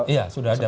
iya sudah ada